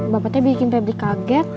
bapaknya bikin rebli kaget